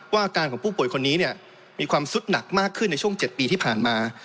อาการของผู้ป่วยคนนี้มีความสุดหนักมากขึ้นในช่วง๗ปีที่ผ่านมา